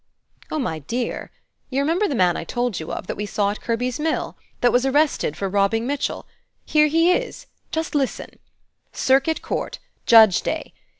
"Oh, my dear! You remember that man I told you of, that we saw at Kirby's mill? that was arrested for robbing Mitchell? Here he is; just listen: 'Circuit Court. Judge Day.